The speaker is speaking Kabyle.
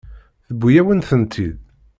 Tewwi-yawen-tent-id.